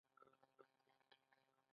• تیاره د ستورو ښکلا ته زمینه برابروي.